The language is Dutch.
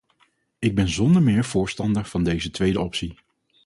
Ik ben zonder meer voorstander van deze tweede optie.